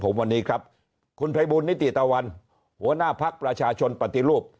ผมวันนี้ครับคุณภัยบูลนิติตะวันหัวหน้าภักดิ์ประชาชนปฏิรูป